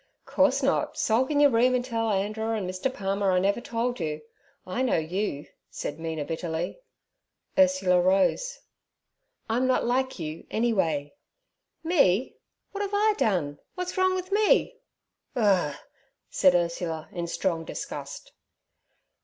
'Course not,—sulk in your room an' tell Andrer and Mr. Palmer I never told you. I know you' said Mina bitterly. Ursula rose. 'I'm not like you, any way.' 'Me? W'at 'ave I done? W'at's wrong with me?' 'Urgh!' said Ursula, in strong disgust.